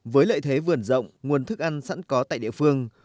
với lợi thế vườn rộng nguồn thức ăn sẵn có tại địa phương